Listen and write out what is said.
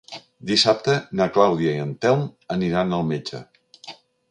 Dissabte na Clàudia i en Telm aniran al metge.